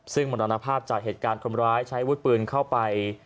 ซึ่งหมดละนะภาพจากเหตุการณ์ความร้ายใช้วุดปืนเข้าไป